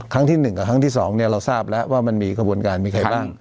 ครั้งที่๑กับครั้งที่๒เนี่ยเราทราบแล้วว่ามันมีกระบวนการมีใครบ้าง